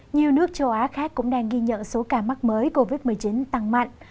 nhiều nước châu á khác cũng đang ghi nhận số ca mắc mới covid một mươi chín tăng mạnh